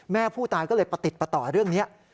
แม่ผู้ตายก็เลยประติดประต่อเรื่องนี้